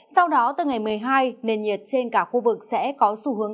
sau đó từ ngày một mươi hai nền nhiệt trên cả khu vực sẽ có xu hướng